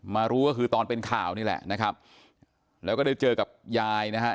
รู้ก็คือตอนเป็นข่าวนี่แหละนะครับแล้วก็ได้เจอกับยายนะฮะ